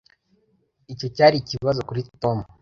icyo cyari ikibazo kuri tom